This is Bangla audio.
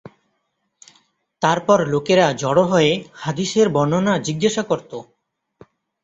তারপর লোকেরা জড়ো হয়ে হাদীসের বর্ণনা জিজ্ঞাসা করত।